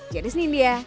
jadis nindia jakarta